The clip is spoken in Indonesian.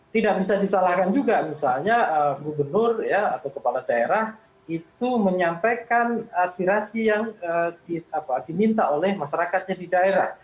tidak bisa disalahkan juga misalnya gubernur atau kepala daerah itu menyampaikan aspirasi yang diminta oleh masyarakatnya di daerah